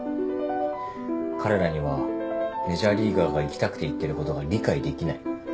彼らにはメジャーリーガーが行きたくて行ってることが理解できない。